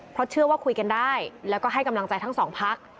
เพราะเชื่อว่าคุยกันได้แล้วก็ให้กำลังใจทั้งสองพัก